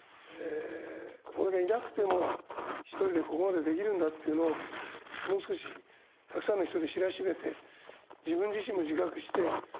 俺がいなくても一人でここまでできるんだっていうのをもう少したくさんの人に知らしめて自分自身も自覚して。